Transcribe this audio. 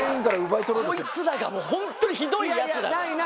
こいつらがホントにひどいヤツらで！